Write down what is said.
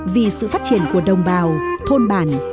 vì sự phát triển của đồng bào thôn bản